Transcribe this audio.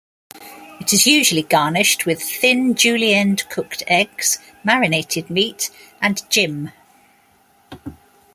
It is usually garnished with thin julienned cooked eggs, marinated meat, and "gim".